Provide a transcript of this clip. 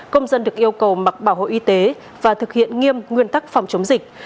công dân được yêu cầu mặc bảo hộ y tế và thực hiện nghiêm nguyên tắc phòng chống dịch